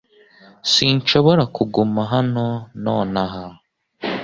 Sinshobora kuguma hano nonaha .